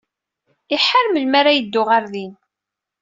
Iḥar melmi ara yeddu ɣer din.